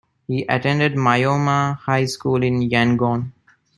He attended Myoma High School in Yangon.